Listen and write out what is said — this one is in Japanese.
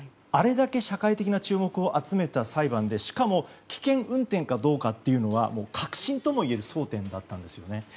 あれだけ社会的な注目を集めた裁判でしかも危険運転かどうかというのは核心ともいえる争点だったんです。